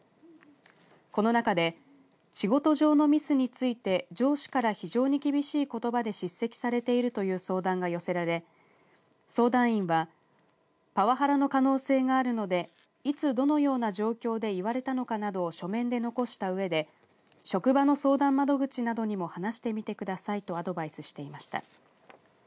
このなかで仕事上のミスについて上司から非常に厳しいことばで叱責されているという相談が寄せられ相談員はパワハラの可能性があるのでいつ、どのような状況で言われたのかなどを書面で残したうえで職場の相談窓口などにも話してみてくださいとアドバイスしていました。